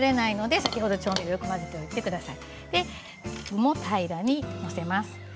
具も平らに載せます。